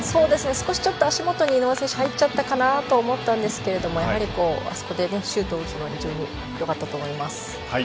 少し足元に井上選手、入っちゃったかなと思ったんですけどあそこでシュートを打つのは非常に良かったと思います。